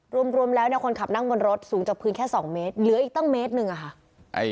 รวมแล้วเนี่ยคนขับนั่งบนรถสูงจากพื้นแค่๒เมตรเหลืออีกตั้งเมตรหนึ่งอะค่ะ